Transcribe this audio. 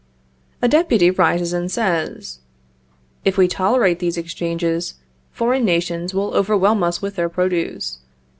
A deputy rises and says, If we tolerate these exchanges, foreign nations will overwhelm us with their produce.